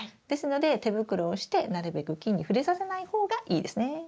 ですので手袋をしてなるべく菌に触れさせない方がいいですね。